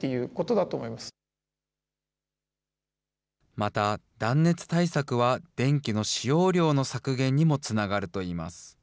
また、断熱対策は電気の使用量の削減にもつながるといいます。